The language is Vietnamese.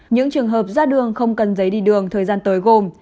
những trường hợp ra đường không cần giấy đi đường thời gian tới gồm